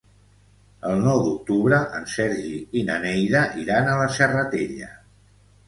El nou d'octubre en Sergi i na Neida iran a la Serratella.